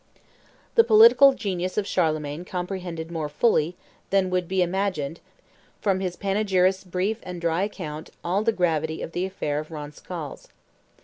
The political genius of Charlemagne comprehended more fully than would be imagined from his panegyrist's brief and dry account all the gravity of the affair of Roncesvalles.